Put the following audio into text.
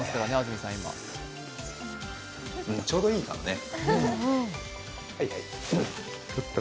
うん、ちょうどいいかもね。